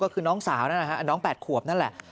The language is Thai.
ก็คือน้องสาวนั่นแหละฮะน้อง๘ขวบนั่นแหละ